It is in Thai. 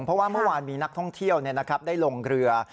เพราะว่าเมื่อวานมีนักท่องเที่ยวได้ลงเรือ